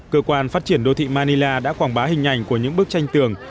cơ quan phát triển đô thị manila đã quảng bá hình ảnh của những bức tranh tường